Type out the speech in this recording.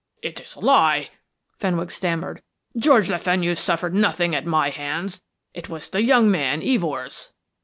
"It's a lie," Fenwick stammered. "George Le Fenu suffered nothing at my hands. It was the young man Evors."